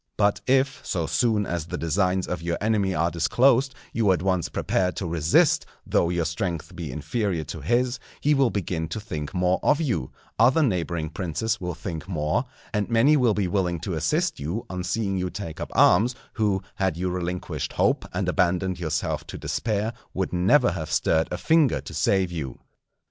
But if, so soon as the designs of your enemy are disclosed, you at once prepare to resist though your strength be inferior to his, he will begin to think more of you, other neighbouring princes will think more; and many will be willing to assist you, on seeing you take up arms, who, had you relinquished hope and abandoned yourself to despair, would never have stirred a finger to save you.